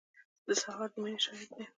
سهار د مینې شاهد دی.